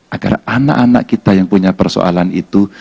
agar anak anak kita yang punya persoalan itu